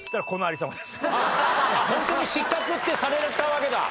ホントに失格ってされたわけだ。